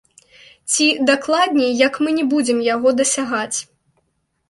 Ці, дакладней, як мы не будзем яго дасягаць.